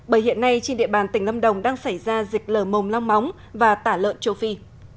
bởi hiện nay trên địa bàn tỉnh lâm đồng đang xảy ra dịch lờ mồm long móng và tả lợn châu phi